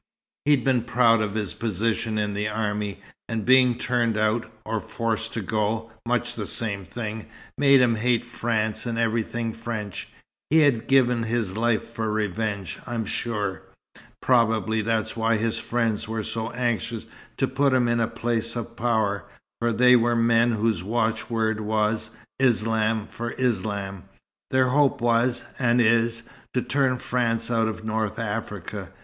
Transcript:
He'd been proud of his position in the army, and being turned out, or forced to go much the same thing made him hate France and everything French. He'd have given his life for revenge, I'm sure. Probably that's why his friends were so anxious to put him in a place of power, for they were men whose watchword was 'Islam for Islam.' Their hope was and is to turn France out of North Africa.